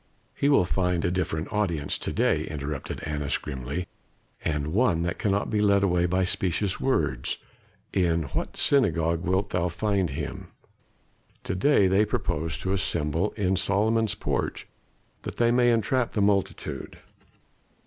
"He will find a different audience to day," interrupted Annas grimly, "and one that cannot be led away by specious words. In what synagogue wilt thou find him?" "To day they purpose to assemble in Solomon's Porch, that they may entrap the multitude.